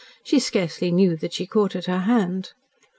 She scarcely knew that she caught at her hand.